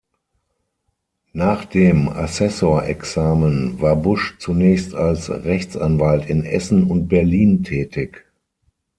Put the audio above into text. Nach dem Assessorexamen war Busch zunächst als Rechtsanwalt in Essen und Berlin tätig.